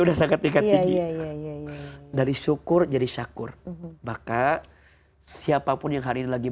udah sangat tingkat tinggi dari syukur jadi syakur maka siapapun yang hari ini lagi